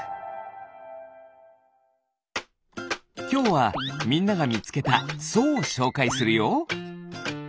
きょうはみんながみつけた「そう」をしょうかいするよ。